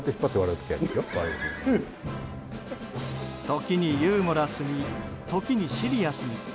時にユーモラスに時にシリアスに。